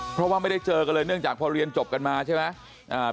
เพราะว่าไม่ได้เจอกันเลยเนื่องจากพอเรียนจบกันมาใช่ไหม